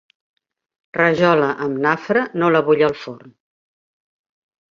Rajola amb nafra no la vull al forn.